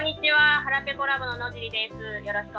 ハラペコラボの野尻です。